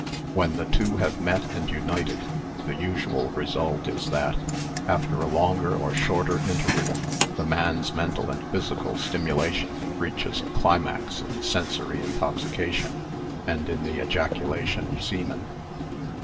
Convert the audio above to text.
When the two have met and united, the usual result is that, after a longer or shorter interval, the man's mental and physical stimulation reaches a climax in sensory intoxication and in the ejaculation of semen.